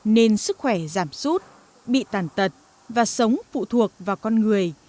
nên sức khỏe giảm sút bị tàn tật và sống phụ thuộc vào con người